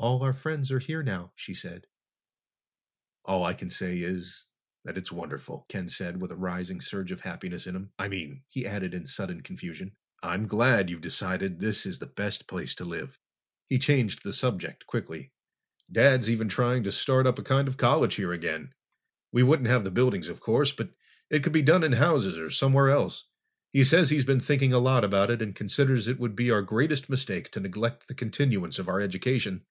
"All our friends are here now," she said. "All I can say is that it's wonderful," Ken said with a rising surge of happiness in him. "I mean," he added in sudden confusion, "I'm glad you've decided this is the best place to live." He changed the subject quickly. "Dad's even talking of trying to start up a kind of college here again. We wouldn't have the buildings, of course, but it could be done in houses or somewhere else. He says he's been thinking a lot about it and considers it would be our greatest mistake to neglect the continuance of our education.